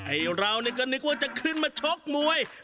ไอ้เราก็นึกว่าจะขึ้นมาชกมวย